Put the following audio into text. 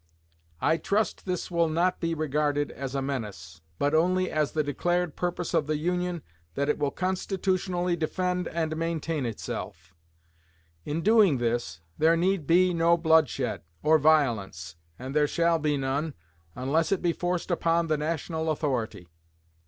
I trust this will not be regarded as a menace, but only as the declared purpose of the Union that it will constitutionally defend and maintain itself. In doing this, there need be no bloodshed or violence; and there shall be none, unless it be forced upon the national authority.